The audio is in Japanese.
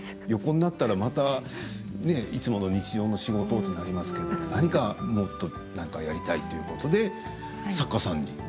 横になったらまた、いつもの日常の仕事となりますけど何かもっとなんかやりたいということで作家さんに？